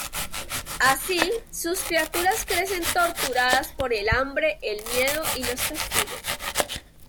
Así, sus criaturas crecen torturadas por el hambre, el miedo y los castigos.